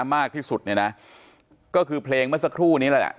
มากที่สุดเนี่ยนะก็คือเพลงเมื่อสักครู่นี้แหละ